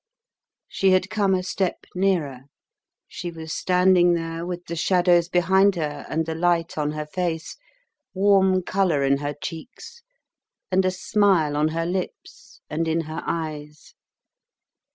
She had come a step nearer; she was standing there with the shadows behind her and the light on her face, warm colour in her cheeks, and a smile on her lips and in her eyes.